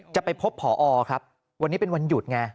จะไปพบผอครับวันนี้เป็นวันหยุดไง